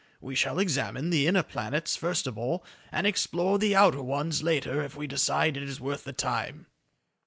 We shall examine the inner planets first of all, and explore the outer ones later if we decide it is worth the time."